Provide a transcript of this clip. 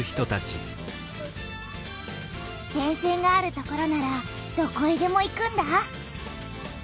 電線がある所ならどこへでも行くんだ。